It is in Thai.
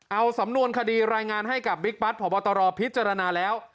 เอาสำนวนคดีรายงานให้กับบิ๊กบัตรพบตรพิจารณาแล้ว